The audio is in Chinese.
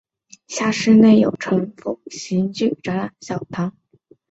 在小堂的地下室内有惩罚及酷刑用的刑具展览。